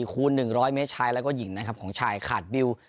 คูณ๑๐๐เมตรชายแล้วก็หญิงนะครับของชายขาดบิว